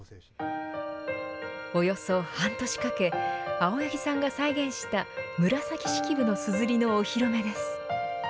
およそ半年かけ青柳さんが再現した紫式部のすずりのお披露目です。